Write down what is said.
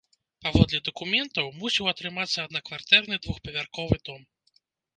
Паводле дакументаў, мусіў атрымацца аднакватэрны двухпавярховы дом.